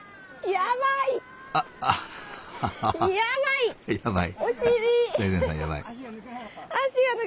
やばい。